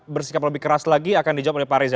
bersikap lebih keras lagi akan dijawab oleh pak reza